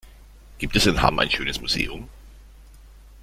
Gibt es in Hamm ein schönes Museum?